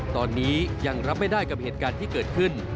ตอนนี้ยังรับไม่ได้กับเหตุการณ์ที่เกิดขึ้น